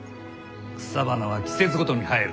草花は季節ごとに生える。